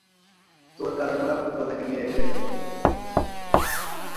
তোর কারণে ওরা ফুলওয়াকে মেরে ফেলেছে।